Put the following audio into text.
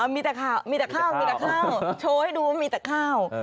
มีแต่ข้าวโชว์ให้ดูว่ามีแต่ข้าว